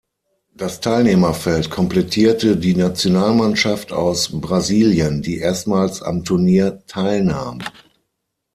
Das Teilnehmerfeld komplettierte die Nationalmannschaft aus Brasilien, die erstmals am Turnier teilnahm.